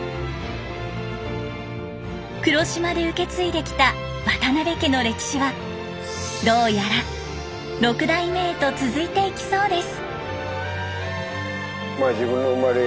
黒島で受け継いできた渡邊家の歴史はどうやら六代目へと続いていきそうです。